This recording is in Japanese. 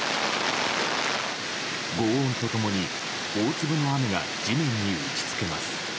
ごう音とともに、大粒の雨が地面に打ちつけます。